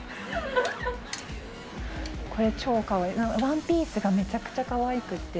ワンピースがめちゃくちゃかわいくて。